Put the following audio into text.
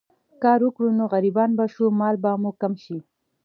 کار وکړو نو غريبان به شو، مال به مو کم شي